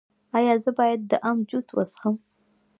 ایا زه باید د ام جوس وڅښم؟